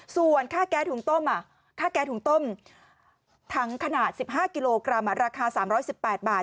ส่วนค่าแก๊สถุงต้มค่าแก๊สถุงต้มถังขนาด๑๕กิโลกรัมราคา๓๑๘บาท